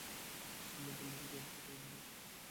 তিনি নতুনভাবে জ্ঞানচর্চায় মনোনিবেশ করেন।